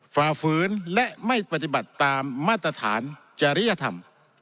ฝ่าฝืนและไม่ปฏิบัติตามมาตรฐานจริยธรรม